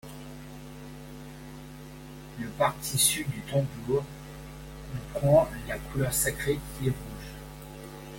Le partir sud du tambour, comprend la couleur sacrée qui est rouge.